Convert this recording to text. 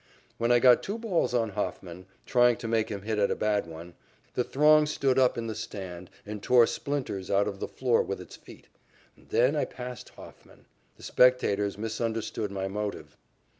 When I got two balls on Hofman, trying to make him hit at a bad one, the throng stood up in the stand and tore splinters out of the floor with its feet. And then I passed Hofman. The spectators misunderstood my motive.